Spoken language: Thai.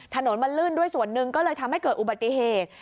ถนนมันลื่นด้วยส่วนหนึ่งก็เลยทำให้เกิดอุบัติเหตุ